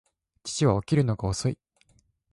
父は起きるのが遅い